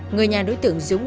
người nhà đối tượng dũng